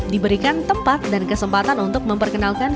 diberikan tempat dan kesempatan untuk memperkenalkan